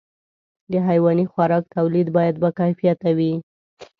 د حيواني خوراک توليد باید باکیفیته وي.